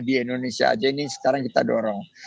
di indonesia aja ini sekarang kita dorong